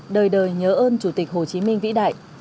đời đời nhớ ơn chủ tịch hồ chí minh vĩ đại